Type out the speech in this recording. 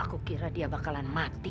aku kira dia bakalan mati